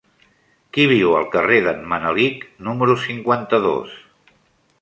Qui viu al carrer d'en Manelic número cinquanta-dos?